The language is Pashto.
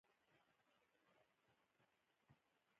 افغانستان کې د جواهرات لپاره دپرمختیا پروګرامونه شته.